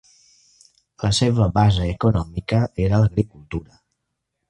La seva base econòmica era l'agricultura.